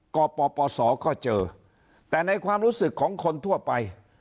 กปปศก็เจอแต่ในความรู้สึกของคนทั่วไป